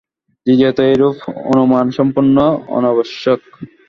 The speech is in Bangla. দ্বিতীয়ত এইরূপ অনুমান সম্পূর্ণ অনাবশ্যক।